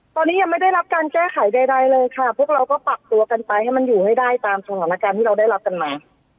ตอนนี้ยังไม่ได้รับการแก้ไขใดเลยค่ะพวกเราก็ปรับตัวกันไปให้มันอยู่ให้ได้ตามสถานการณ์ที่เราได้รับกันมา